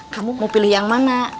kamu mau pilih yang mana